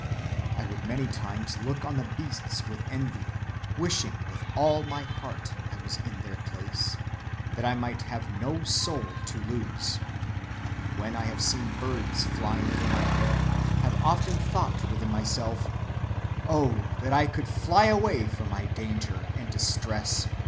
I would many times look on the beasts with envy, wishing with all my heart I was in their place, that I might have no soul to lose; and when I have seen birds flying over my head, have often thought within myself, Oh, that I could fly away from my danger and distress!